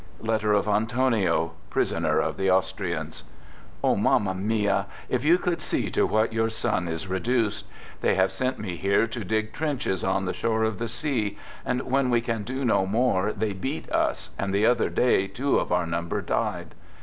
(Letter of Antonio, prisoner of the Austrians) O Mamma mia, if you could see to what your son is reduced! ... They have sent me here to dig trenches on the shore of the sea, and when we can do no more they beat us, and the other day two of our number died.